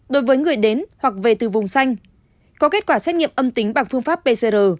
đối với người đến hoặc về từ vùng xanh có kết quả xét nghiệm âm tính bằng phương pháp pcr